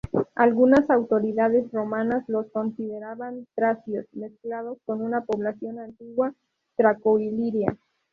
Algunas autoridades romanas los consideraban tracios, mezclados con una población antigua traco-iliria.